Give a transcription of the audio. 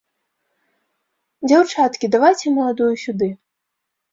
Дзяўчаткі, давайце маладую сюды.